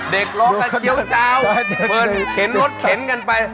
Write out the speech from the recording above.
เด็กร้องกันเจี๊ยวเจ้าเห็นรถเข็นกันไป